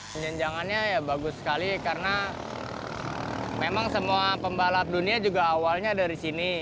penjenjangannya ya bagus sekali karena memang semua pembalap dunia juga awalnya dari sini